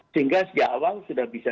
sehingga sejak awal sudah bisa